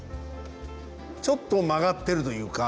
ちょっと曲がってるというか。